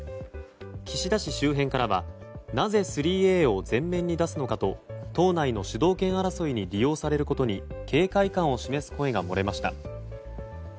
岸田氏周辺からはなぜ３Ａを前面に出すのかと党内の指導権争いに利用されることに警戒感を示す声が漏れました。